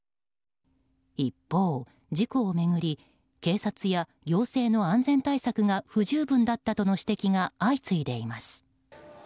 一方、事故を巡り警察や行政の安全対策が不十分だったとの指摘が相次いでいます。